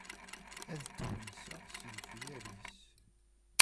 Ad twenseɣ s yifyar-is.